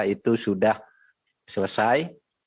itu sudah selesai